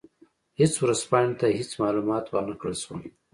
هېڅ ورځپاڼې ته هېڅ معلومات ور نه کړل شول.